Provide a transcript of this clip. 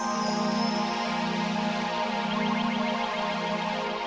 apa mimpi ini akan jadi kenyataan kalau andin tahu kejadian sebenarnya